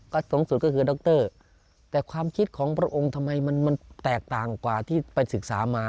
ก็สูงสุดก็คือดรแต่ความคิดของพระองค์ทำไมมันแตกต่างกว่าที่ไปศึกษามา